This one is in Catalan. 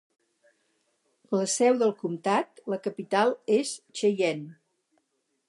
La seu de comtat, la capital, és Cheyenne.